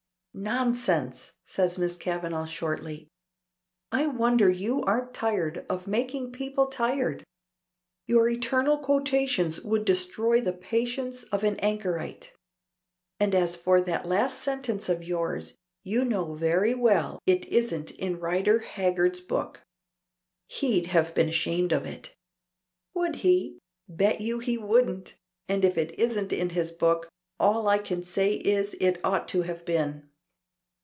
"Nonsense!" says Miss Kavanagh shortly. "I wonder you aren't tired of making people tired. Your eternal quotations would destroy the patience of an anchorite. And as for that last sentence of yours, you know very well it isn't in Rider Haggard's book. He'd have been ashamed of it." "Would he? Bet you he wouldn't! And if it isn't in his book, all I can say is it ought to have been.